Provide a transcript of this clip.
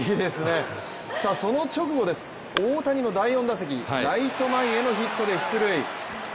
その直後です、大谷の第４打席、ライト前へのヒットで出塁。